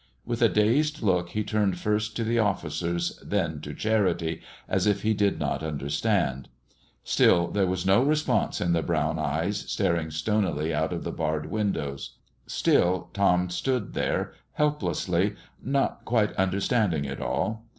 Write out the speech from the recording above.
With a dazed look he turned first to the officers, then to Charity, as if he did not understand. Still there was no response in the brown eyes, staring stonily out of the barred windows. Still Tom stood there helplessly, not quite understanding it all.